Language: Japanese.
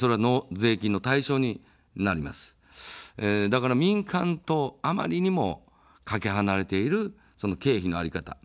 だから民間とあまりにもかけ離れている経費の在り方。